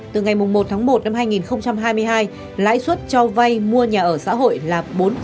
từ ngày một tháng một năm hai nghìn hai mươi hai lãi suất cho vay mua nhà ở xã hội là bốn